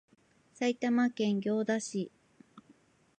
埼玉県行田市